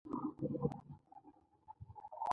پرمختللې ټکنالوژۍ له برکته دی.